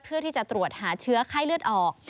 เพื่อที่จะตรวจหาเชื้อไข้เลือดออก